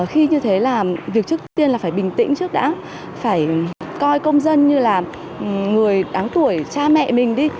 khi như thế là việc trước tiên là phải bình tĩnh trước đã phải coi công dân như là người đáng tuổi cha mẹ mình đi